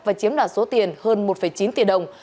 và chiếm đoạt số tiền hơn một chín tỷ đồng